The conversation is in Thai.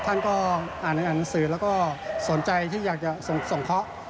ท่านก็อ่านหนังสือแล้วก็สนใจที่อยากจะส่งเคาะ